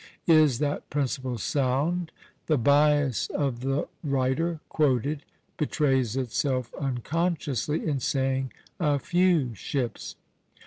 Is that principle sound? The bias of the writer quoted betrays itself unconsciously, in saying "a few ships."